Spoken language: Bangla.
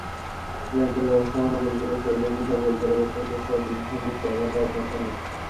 ব্যাংকের ব্যবস্থাপনা পরিচালক সহিদ হোসেনসহ পরিচালক, স্পনসরসহ বিপুলসংখ্যক শেয়ারহোল্ডার এতে অংশ নেন।